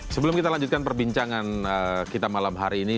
sebelum kita lanjutkan perbincangan kita malam hari ini